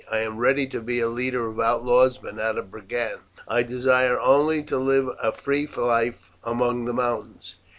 I am ready to be a leader of outlaws but not of brigands. I desire only to live a free life among the mountains.